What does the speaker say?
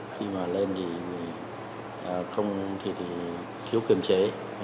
khi mà lên thì không thì thiếu kiềm chế